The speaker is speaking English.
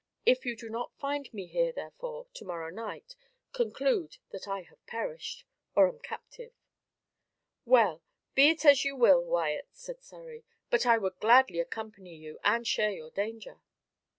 If you do not find me here, therefore, to morrow night, conclude that I have perished, or am captive." "Well, be it as you will, Wyat," said Surrey; "but I would gladly accompany you, and share your danger."